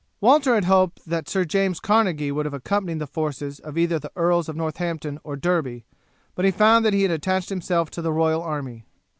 Walter had hoped that Sir James Carnegie would have accompanied the forces of either the Earls of Northampton or Derby, but he found that he had attached himself to the royal army.